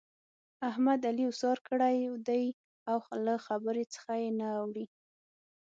احمد؛ علي اوسار کړی دی او له خبرې څخه يې نه اوړي.